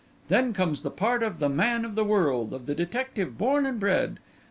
Then comes the part of the man of the world, of the detective born and bred.